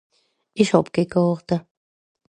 Ìch hàb ké Gàrte.